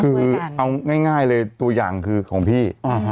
คือเอาง่ายเลยตัวอย่างคือของพี่